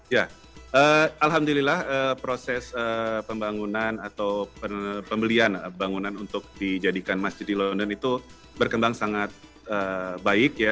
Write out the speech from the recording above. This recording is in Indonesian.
ya alhamdulillah proses pembangunan atau pembelian bangunan untuk dijadikan masjid di london itu berkembang sangat baik ya